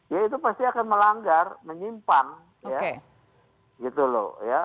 ya itu pasti akan melanggar menyimpan gitu loh ya